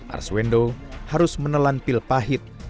arswendo harus menelan pil pahit